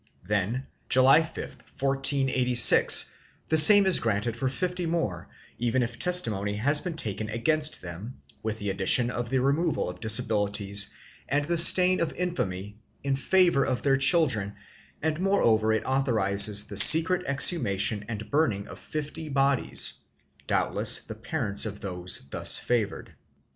Then, July 5, 1486, the same is granted for fifty more, even if testimony has been taken against them, with the addition of the removal of disabilities and the stain of infamy in favor of their children and moreover it authorizes the secret exhumation and burning of fifty bodies — doubtless the parents of those thus favored.